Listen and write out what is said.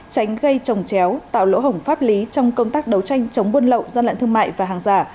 tránh gây trồng chéo tạo lỗ hổng pháp lý trong công tác đấu tranh chống buôn lậu gian lận thương mại và hàng giả